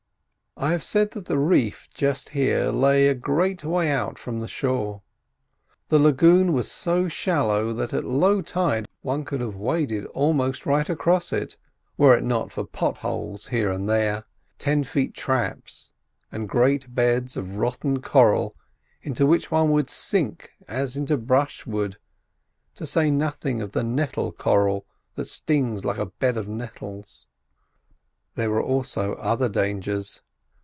I have said that the reef just here lay a great way out from the shore. The lagoon was so shallow that at low tide one could have waded almost right across it, were it not for pot holes here and there—ten feet traps—and great beds of rotten coral, into which one would sink as into brushwood, to say nothing of the nettle coral that stings like a bed of nettles. There were also other dangers.